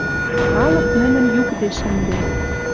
Халык нӹнӹм юкде шӹнден